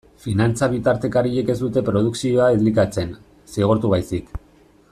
Finantza-bitartekariek ez dute produkzioa elikatzen, zigortu baizik.